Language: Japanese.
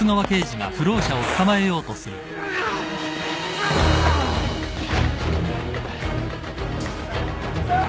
ああっ！